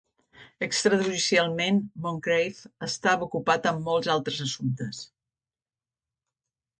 Extrajudicialment, Moncreiff estava ocupat amb molts altres assumptes.